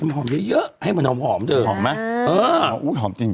หอมเยอะเยอะให้มันหอมหอมเถอะหอมไหมเอออุ้ยหอมจริง